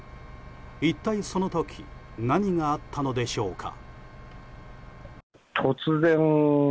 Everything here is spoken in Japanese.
一体、その時何があったのでしょうか。